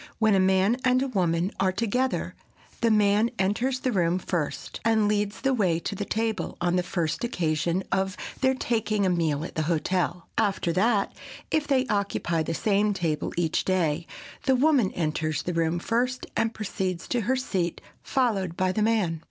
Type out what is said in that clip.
When a man and a woman are together the man enters the room first, and leads the way to the table, on the first occasion of their taking a meal at the hotel. After that, if they occupy the same table each day, the woman enters the room first and proceeds to her seat, followed by the man.